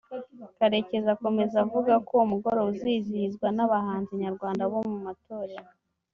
Karekezi akomeza avuga ko uwo mugoroba uzizihizwa n’abahanzi Nyarwanda bo mu matorero